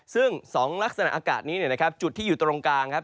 ซึ่ง๒ลักษณะอากาศนี้เนี่ยนะครับจุดที่อยู่ตรงกลางครับ